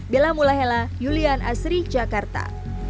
bella mulahela julian asri jakarta